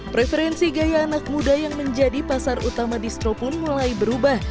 preferensi gaya anak muda yang menjadi pasar utama distro pun mulai berubah